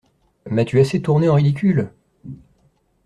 M’as-tu assez tournée en ridicule !